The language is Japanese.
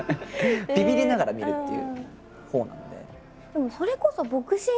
ビビりながら見るっていうほうなんで。